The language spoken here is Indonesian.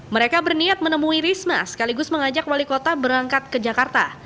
mereka berniat menemui risma sekaligus mengajak wali kota berangkat ke jakarta